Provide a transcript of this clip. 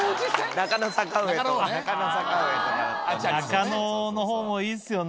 中野の方もいいっすよね。